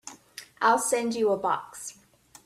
I'll send you a box.